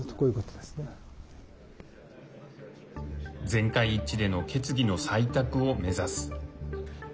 全会一致での決議の採択を目指す。